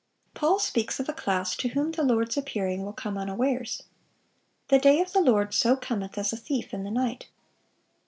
(613) Paul speaks of a class to whom the Lord's appearing will come unawares. "The day of the Lord so cometh as a thief in the night.